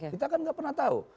kita kan nggak pernah tahu